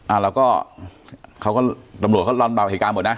อ่าเราก็ตำรวจก็ลอนบาวเหตุการณ์หมดนะ